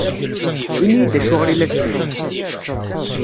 Ini-iyi-d acuɣer i la tettru.